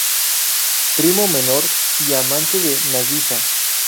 Primo menor y amante de Nagisa.